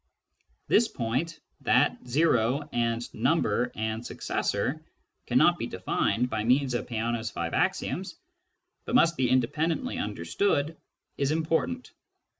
This point, that " o " and " number " and "successor " cannot be defined by means of Peano's five axioms, but must be independently understood, is important.